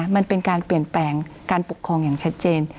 มันเป็นการเปลี่ยนแปลงการปกครองอย่างชัดเจน